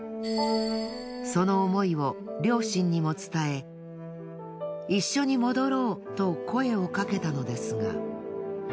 その思いを両親にも伝え一緒に戻ろうと声をかけたのですが。